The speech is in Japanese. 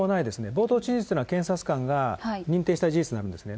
冒頭陳述というのは、検察官が認定した事実なんですね。